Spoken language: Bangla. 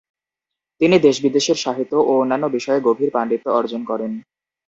তিনি দেশ-বিদেশের সাহিত্য ও অন্যান্য বিষয়ে গভীর পাণ্ডিত্য অর্জন করেন।